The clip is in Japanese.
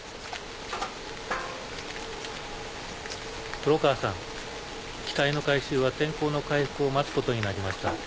黒川さん機体の回収は天候の回復を待つことになりました。